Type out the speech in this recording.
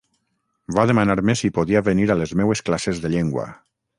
Va demanar-me si podia venir a les meues classes de llengua.